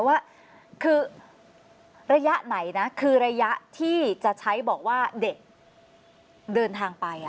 ว่าคือระยะไหนนะคือระยะที่จะใช้บอกว่าเด็กเดินทางไป